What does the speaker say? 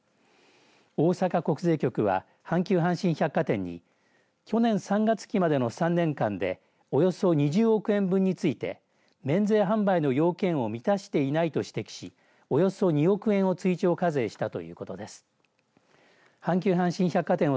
大阪国税局は阪急阪神百貨店に去年３月期までの３年間でおよそ２０億円分について免税販売の要件を満たしていないと指摘しおよそ２億円を追徴課税したということです。